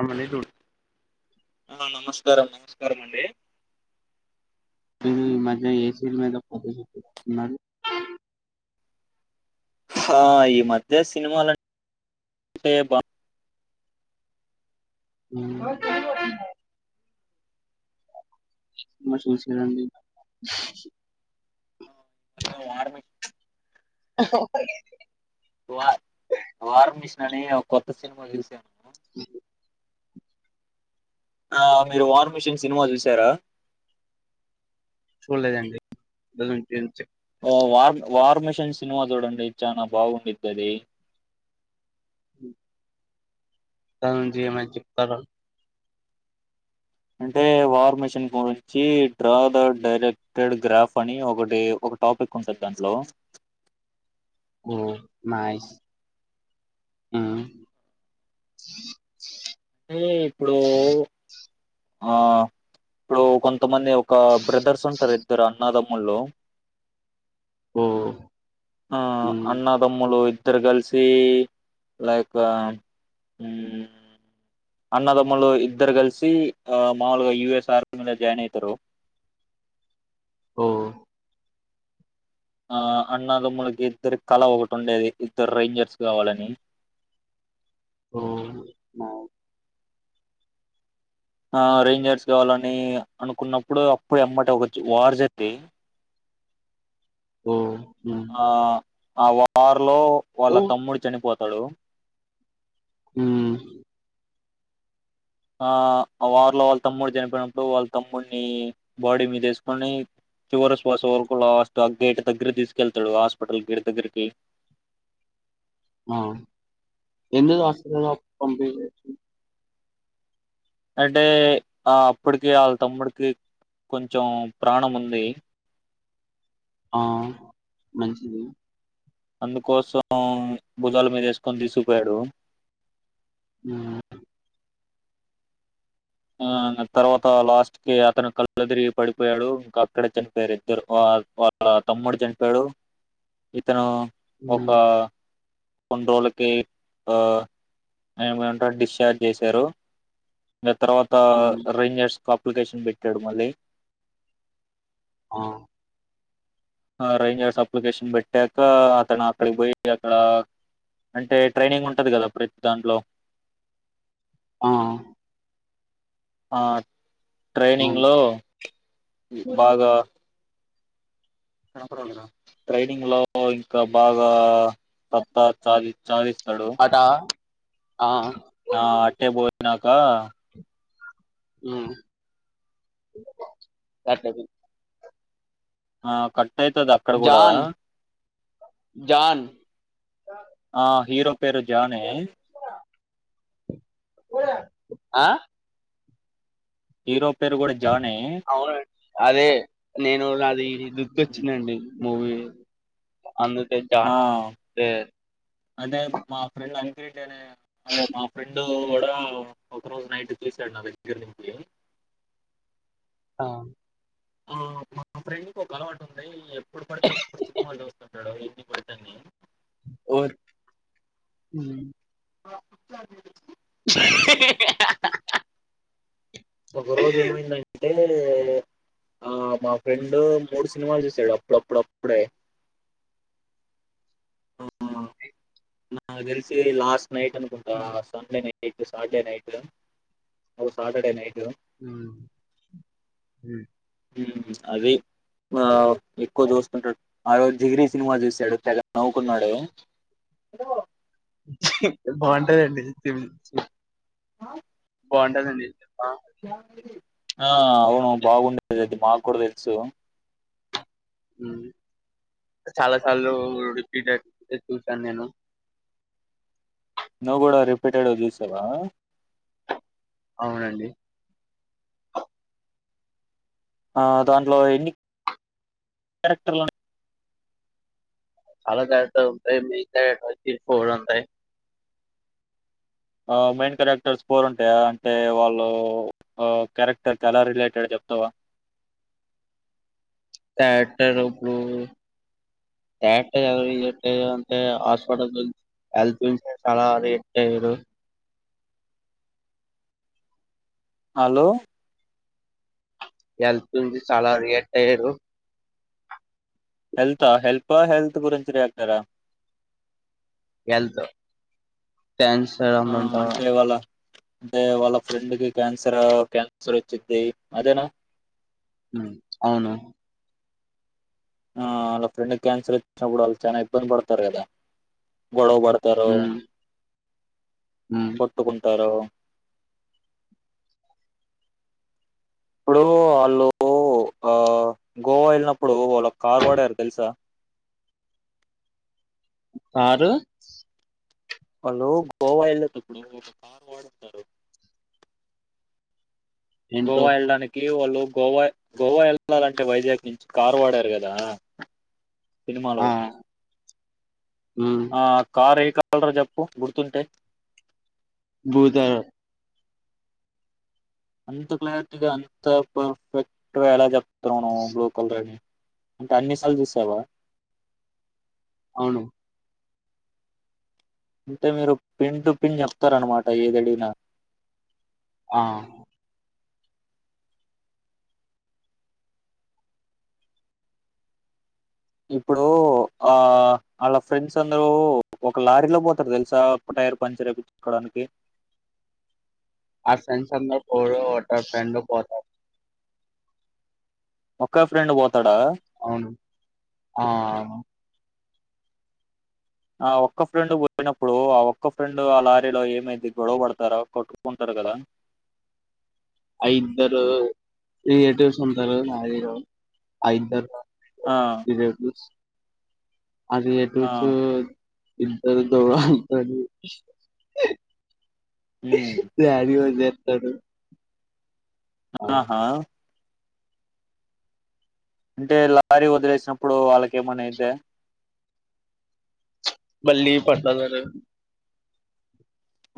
అమ్మ నీతో ఆ నమస్కారం నమస్కారం అండి. మీరు ఈ మధ్య ఏ సీరియల్ మీద ఫోకస్ పెడుతున్నారు ఆ ఈ మధ్య సినిమాల అంటే బాగ ఆ సినిమా చూసినా అండి మర్మ ఓకే అండి వారం మిషన్ అని ఒక కొత్త సినిమా చూసా [unintelligible] ఆ మీరు వార్ మిషన్ సినిమా చూసారా చూలేదండి వార్ వార్మిషన్ సినిమా చూడండి చానా బాగుండిద్ది అది వింటానండి ఏమైనా చెప్తారా అంటే వార్ మిషన్ గురించి డ్రా ద డైరెక్టెడ్ గ్రాఫ్ అని ఒకటి ఒక టాపిక్ ఉంటంది దాంట్లో ఓ నైస్ ఉమ్ అంటే ఇప్పుడు ఆ ఇప్పుడు కొంతమంది. ఒక బ్రదర్స్ ఉంటారు ఇద్దరు అన్నదమ్ము ముళ్ళ ఓ ఆ ఉమ్, అన్నదమ్ములు ఇ ఇద్దరు కలిసి లైక్ ఉమ్ అన్నదమ్ములు ఇద్దరు కలిసి ఆ మాముూలుగా యూఎస్ ఆర్మీ మీద జాయిన్ అవుతారు. ఓ ఆ అన్నదమ్ములకి ఇద్దరికీ కళ ఒకటి ఉండేది ఇద్దరు రేంజర్స్ కావాలని ఓ అవునా ఆ రేంజర్స్ కావాలని అనుకున్నప్పుడు అప్పుడే ఎమ్మట ఒక వార్ జరీ ఓ ఉమ్, ఆ ఆ వారు లో వాళ్ళ ఓ తమ్ముడు చనిపోతా హలో ఉమ్ ఆ ఆ వార్ లో వాళ్ళ తమ్ముడు చనిపోయినప్పుడు వాళ్ళ తమ్ముడిని బాడీ మీద వేసుకొని చివర శ్వాస వరకు లాస్ట్ ఆ గేటు దగ్గర తీసుకెళ్తాడు. హాస్పిటల్ గేటు దగ్గరికి ఆ ఎందుకు హాస్పిటల్ పాంటీ అంటే ఆ అప్పటికే వాళ్ళ తమ్ముడికి కొంచెం ప్రాణం ఉంది ఆ మంచిది అందుకోసం భుజాల మీద వేసుకొని తీసుకుపోయాడు. హు ఆ తర్వాత లాస్ట్ కి అతను కళ్ళుదిరిగి పడిపోయాడు. ఇంకా అక్కడే చనిపోయారు ఇద్దరు. వాళ్ళ తమ్ముడు చనిపోయాడు ఇతను ఉమ్, ఒకా కొన్ని రోజులకి, ఆ ఏమంట డిశ్చార్జ్ చేశారు. తర్వాత ఉమ్, రేంజర్స్ కప్ అప్లికేషన్ పెట్టాడు మళ్ళీ ఆ ఆ రేంజర్స్ అప్లికేషన్ పెట్టాక అతను అక్కడికి పోయి అక్కడ అంటే ట్రైనింగ్ ఉంటది కదా ప్రతి దాంట్లో ఆ ఆ ట్రైనింగ్ ఉమ్. లో బాగా ట్రైడింగ్ లో ఇంకా బాగా సత్తా చాది చాదిస్తడు అటా ఆ, అట్టే బో ఇనాకా ఉమ్ ఆ కట్ టైతదక్కడ కూడా జాన్ జాన్ ఆ హీరో పేరు జానే ఆ హీరో పేరు కూడా జానే అవునండీ నేను లది గుర్తొచ్చినండి మూవీ అందుతే [unintelligible] అంటే మా ఫ్రెండ్ అంక్రిడ్ అనే అదే మా ఫ్రెండ్ ఒక రోజు నైట్ [unintelligible] ఆ ఆ మా ఫ్రెండ్కి ఒక అలవాటు ఉంది ఎప్పుడుపడితే అప్పుడు సినిమాల్ చూస్తాడు నడవతిప్పుడుతనేే ఓర్ ఉమ్ [inaudible] [inaudible] ఒక రోజు ఏమైందంటే అ ఆ మా ఫ్రెండ్ మూడు సినిమాలు చూసాడు అప్పుడప్పుడప్పుడే అ ఆ తెలిసి లాస్ట్ నైట్ అనుకుంటా Sunday night night Saturday night Saturday night ఆ అ అది ఆ ఎక్కువ చూస్తుంటాడు ఆ రోజు జిగిిని సినిమా చూశాడు తెగ నవ్వుకున్నాడే బాగుంటాదండి తిం స హ బాగుంటదండి ఆ అవును బాగుండేది అది మాకు కూడా తెలుసు చాలాసార్లు రిపీట్ చూసాను నేను నువ్ కూడా రిపీటెడ్ దసవా అవునండి ఆ దాంట్లో ఎన్ని క్యారెక్టర్లు చాలా తత మీ సిర్ ఫ రంతాయి ఆ మెయిన్ క్యారెక్టర్స్ ఫర్ ఉంటాయా అంటే వాళ్ళు క్యారెక్టర్ క ఎలా రిలేటెడ్ చెప్తావా థక్టర్ ఇప్పుడు క్టర్ట్ అయారు అంటే హాస్పిటల్ హెల్త్ చాలా రేట్ అయ్యారు హలో వెళ్తుంది చాలా రియట్ అయ్యారు హెల్తా హెల్పా హెల్త్ గురించిియాక్టరా గల్ త ఆ టెన్స్మ్ ఉంటావా అంటే వాళ్ళ అంటే వాళ్ళ ఫ్రెండ్ క క్యాన్సర్ క్యాన్సర్ వచ్చిది అదేనా అవును ఆ వాళ్ళ ఫ్రెండ్ క్యాన్సల్ వచ్చినప్పుడు వాళ్ళు చాలా ఇబ్బంది పడతారు కదా గడవబడతారు ఉమ్ ఉమ్ కొట్టుకుంటారో ఇప్పుడు వాళ్ళు ఆ గోవా వెళ్ళినప్పుడు వాళ్ళు కార్ వాడారు తెలుసా ఆరు హలో గోవా వెళ్ళట ఇప్పుడు ఒక కార్ వాడుతారు ఏంటో గోవా వెళ్డానికి వాళ్ళు గోవా గోవా వెళ్ళాలంటే వైజాగ్ కి నుంచి కార్ వాడారు కదా సినిమాలో ఆ ఉమ్ ఆ కారే కాలరా జప్పు గుర్తుంటే భూతార అంత క్లారిటీగా అంత పర్ఫెక్ట్గా ఎలా చెప్తావు్ బ్లూ కలర్ అని అంటే అన్నిసార్లు చూసావా అవును అంటే మీరు పిన్ టు పిన్ చెప్తారనమాట ఏదడినా ఆ ఇప్పుడు ఆ వాళ్ళ ఫ్రెండ్స్ అందరూ ఒక లారీలో పోతారు తెలుసా టైర్ పంచర్ అయియిించుకోడానికి ఆ ఫ్రెండ్ స ప ఫ్రెండ్ పోత ఒక ఫ్రెండ్ పో అవును ఆ ఆ ఒక్క ఫ్రెండ్ పోయినప్పుడు ఆ ఒక్క ఫ్రెండ్ ఆ లారీలో ఏమైతే గొడవ పడతారో కొట్టుకుంటారు కదా ఐద్దరు రిలేటివ్స్ ఉంటారు నారు ఐద్దరు ఆ ఇజ [inaudible] అ ఏటు ఆ చ ఇద్దరు తో [unintelligible] ఉమ్, దడిజ [unintelligible] తెదు ఆహా అంటే లారీ వదిలేసినప్పుడు వాళ్ళకేమనా అయితే మళ్లీ పంట ధర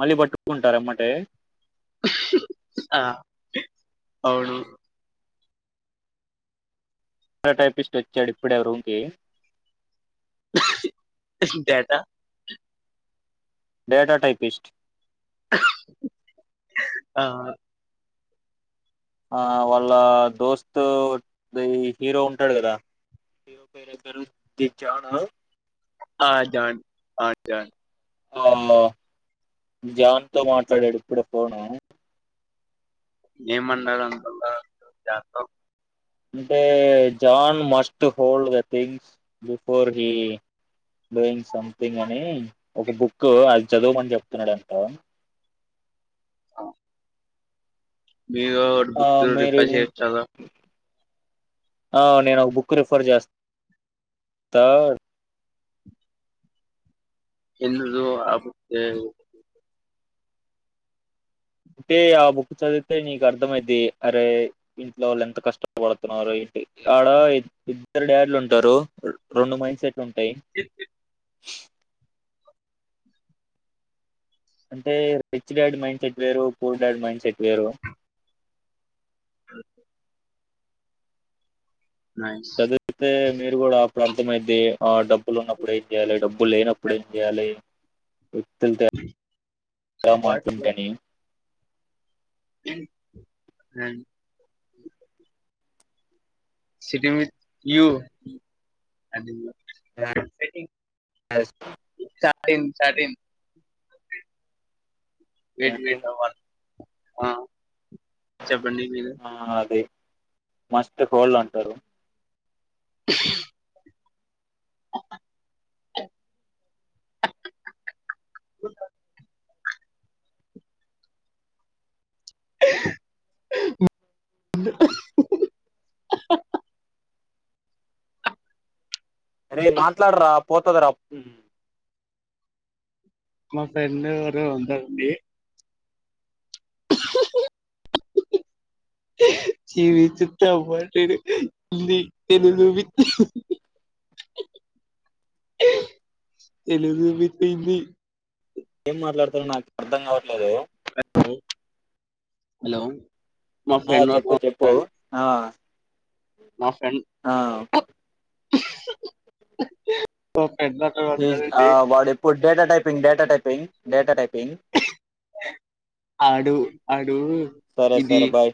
మళ్ళీ పట్టుకుంటార ఎంబటే ఆ అవును టైపిస్ట్ వచ్చాడు ఇప్పుడే రూమ్ కి డేటా డేటా టైపిస్ట్ ఆ ఆ వాళ్ళ దోస్తుత్ హీరో ఉంటాడు కదా హీరో పేరు దగ్గరు ద చాను ఆ జాన్ అ జాన్ ఆ జాన్ త మాట్లాడాడు ఇప్పుడ పోనా ఎమ్మనడు అంటున్నావ్ జత [unintelligible] అంటే John must hold the things before he doing something అని ఒక బుక్ అది చదువమని చెప్తున్నాడు అంటా ఓ మీరు ఒకటి ఆ బుక్కుని మీరు రిఫర్ ఇన్- చేయొచ్చు కదా ఆ నేనొక బుక్ రిఫర్ చెస్ త ఎందు ఆబతే అంటే ఆ బుక్ చదివితే నీకు అర్థ అయిది అరే ఇంట్లో వాళ్ళు ఎంత కష్ట పడుతున్నారు ఇ ఆడ ఇద్ ఇద్దరు డాడ్లు ఉంటారు రొం రెండు మైండ్ సెట్ లుంటాయి అంటే రిచ్ డాడ్ మైండ్ సెట్ వేరు పూర్ డాడ్ మైండ్ సెట్ వేరు నైస్ చదివితే మీరు కూడా ఇప్పుడు అర్థమైతది అయితే ఆ డబ్బులు ఉన్నప్పుడు ఏం చేయ్యాలి డబ్బులు లేనప్పుడు ఏం చేయ్యాలి వితుల్ తె మాటం తనీ [inaudible] అ సిటీ మీది వ్యూ అది [unintelligible] న్ సాటిన్ వెయిట్ వెయిట్ అవాల ఆ చెబ్బడి మీరే మస్తు హోల్ అంటారు [inaudible] [inaudible] [inaudible] అరె మాట్లాడారా పోతది రా ఉమ్ మా ఫ్రెండ్ ఊరు ఉంటుంది [inaudible] జీవిత తబట హిందీ తెలుగు విత్ తెలుగు విత్ హింది ఏం మాట్లాడతారో నాకు అర్థం కావట్లేదు హలో హలో మా ఆ ఫ్రెండ్ చెప్పు చెప్పు ఆ మా ఫ్రెండ్ ఓ పెద్ద అతను ఈ ఆ ఉంటాడండి వాడేపోడ్ data typing data typing data typing ఆడు ఆడు సరే ఇది సరే బాయ్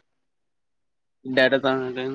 డేటా